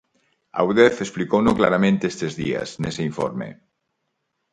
A Udef explicouno claramente estes días, nese informe.